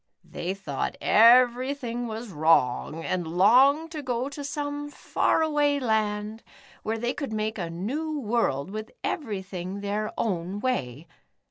They thought everything was wrong, and longed to go to some far away land, where they could make a new world, with everything their own way.